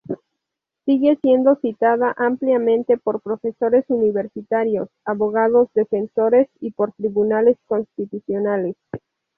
Sigue siendo citada ampliamente por profesores universitarios, abogados defensores y por tribunales constitucionales.